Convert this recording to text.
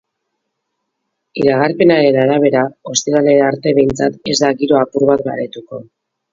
Iragarpenaren arabera, ostiralera arte behintzat ez da giroa apur bat baretuko.